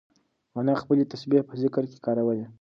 انا خپلې تسبیح په ذکر کې کارولې.